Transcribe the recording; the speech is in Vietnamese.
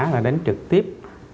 và đến trực tiếp